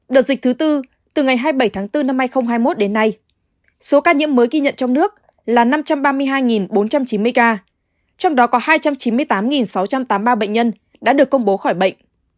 đợt dịch thứ tư từ ngày hai mươi bảy tháng bốn năm hai nghìn hai mươi một đến nay số ca nhiễm mới ghi nhận trong nước là năm trăm ba mươi hai bốn trăm chín mươi ca trong đó có hai trăm chín mươi tám sáu trăm tám mươi ba bệnh nhân đã được công bố khỏi bệnh